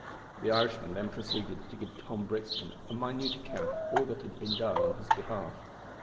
The Irishman then proceeded to give Tom Brixton a minute account of all that had been done in his behalf.